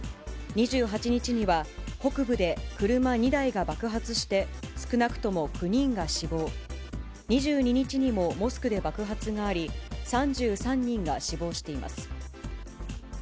２８日には、北部で車２台が爆発して、少なくとも９人が死亡、２２日にもモスクで爆発があり、３３人が死亡しています。